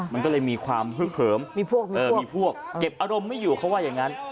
มันก็เลยมีความฮึกเหิมมีพวกเก็บอารมณ์ไม่อยู่เขาว่าอย่างนั้น